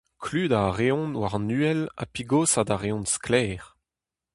Kludañ a reont war an uhel ha pigosat a reont sklaer.